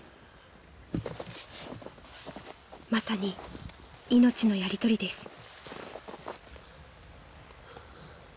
［まさに命のやりとりです］